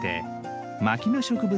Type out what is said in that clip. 牧野植物